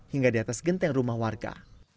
hingga di atas genteng rumah warga